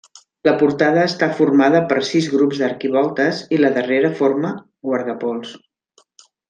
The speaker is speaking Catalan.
La portada està formada per sis grups d'arquivoltes i la darrera forma guardapols.